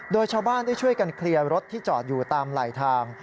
โดยชาวบ้านได้ช่วยกันเคลียร์รถที่จอดอยู่ตามไหลทาง